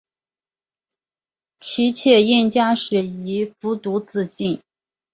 其妾燕佳氏亦服毒自尽。